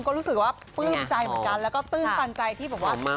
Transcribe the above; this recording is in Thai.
ก็รู้สึกว่าปลื้มใจเหมือนกันแล้วก็ตื้นตันใจที่บอกว่า